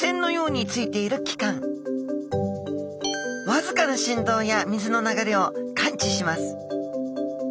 わずかな振動や水の流れを感知します。